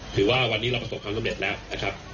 ถือว่าวันนี้เราประสบความสำเร็จแล้วนะครับ